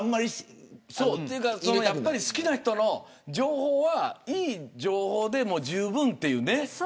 やっぱり、好きな人の情報はいい情報でじゅうぶんというね。